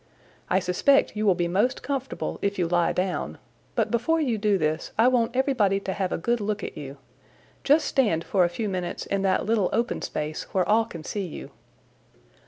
I suspect you will be most comfortable if you lie down, but before you do this I want everybody to have a good look at you. Just stand for a few minutes in that little open space where all can see you."